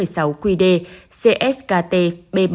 số một mươi sáu qd cskt b bảy